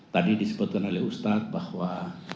tadi disebutkan oleh ustadz bahwa